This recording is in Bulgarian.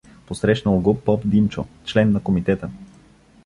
Посрещнал го поп Димчо, член на комитета.